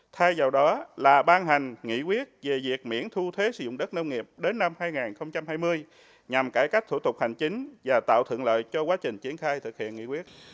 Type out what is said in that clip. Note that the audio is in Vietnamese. thay vào đó là ban hành nghị quyết về việc miễn thu thuế sử dụng đất nông nghiệp đến năm hai nghìn hai mươi nhằm cải cách thủ tục hành chính và tạo thuận lợi cho quá trình triển khai thực hiện nghị quyết